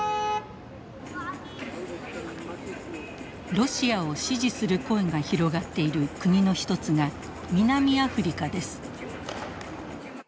ロシアを支持する声が広がっている国の一つが南アフリカです。